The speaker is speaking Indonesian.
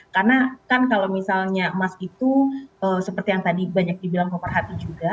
karena kan kalau misalnya emas itu seperti yang tadi banyak dibilang koperhati juga